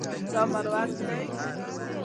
دا مروت ده.